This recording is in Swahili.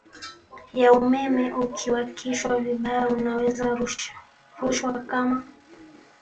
ya umeme ukiwashika vibaya unaweza rushwa kama